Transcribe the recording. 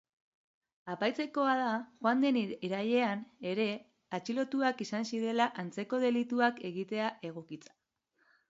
Aipatzekoa da joan den irailean ere atxilotuak izan zirela antzeko delituak egitea egotzita.